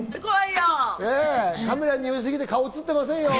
カメラによりすぎて顔が映ってませんよ？